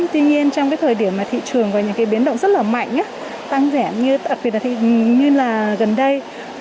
tuy nhiên trong thời điểm thị trường và những biến động rất là mạnh tăng rẻ như gần đây